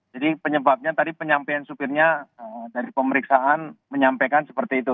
jadi penyebabnya tadi penyampaian supirnya dari pemeriksaan menyampaikan seperti itu